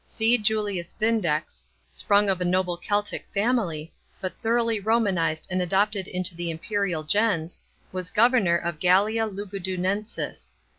C. Julius Vindex, sprung of a noble Celtic family, but thoroughly Romanised and adopted into the imperial ^ens, was governor of Gallia Lugudunensis.